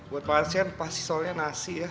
buat pasien pasti soalnya nasi ya